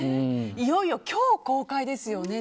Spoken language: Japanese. いよいよ今日公開ですよね